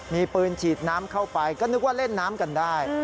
มีปืนฉีดน้ำเข้าไปก็นึกว่าเล่นน้ำกันได้